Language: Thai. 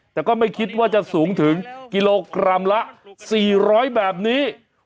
แต่ก็ไม่คิดว่าจะสูงถึงกิโลกรัมละ๔๐๐แบบนี้